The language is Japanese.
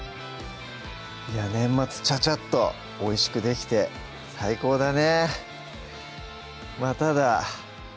年末ちゃちゃっとおいしくできて最高だね